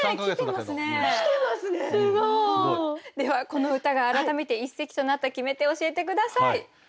この歌が改めて一席となった決め手教えて下さい。